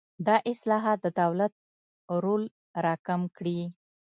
دا اصلاحات د دولت رول راکم کړي.